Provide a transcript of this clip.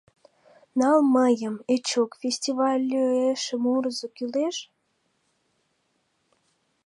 Нал мыйым, Эчук, фестивальыэше мурызо кӱлеш?